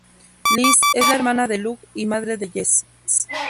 Liz es la hermana de Luke y madre de Jess.